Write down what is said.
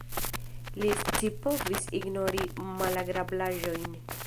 Li scipovis ignori malagrablaĵojn.